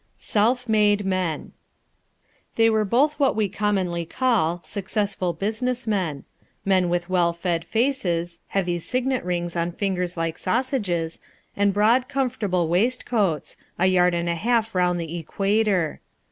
Self made Men They were both what we commonly call successful business men men with well fed faces, heavy signet rings on fingers like sausages, and broad, comfortable waistcoats, a yard and a half round the equator.